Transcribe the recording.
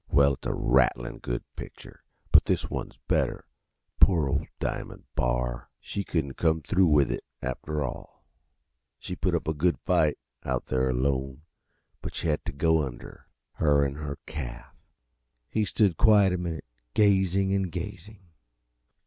"Well, it's a rattling good picture but this one's better. Poor ole Diamond Bar she couldn't come through with it, after all. She put up a good fight, out there alone, but she had t' go under her an' her calf." He stood quiet a minute, gazing and gazing.